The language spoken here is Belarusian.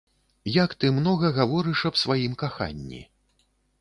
Як ты многа гаворыш аб сваім каханні.